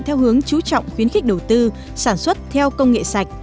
theo hướng chú trọng khuyến khích đầu tư sản xuất theo công nghệ sạch